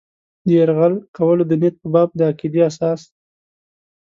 د یرغل کولو د نیت په باب د عقیدې اساس.